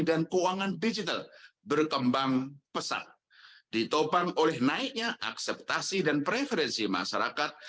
akan kembali kepada sasaran